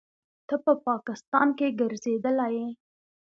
ته په پاکستان کښې ګرځېدلى يې.